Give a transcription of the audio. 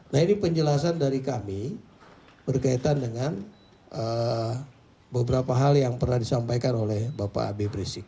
nah ini penjelasan dari kami berkaitan dengan beberapa hal yang pernah disampaikan oleh bapak abib rizik